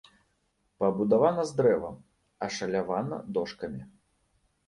Пабудавана з дрэва, ашалявана дошкамі.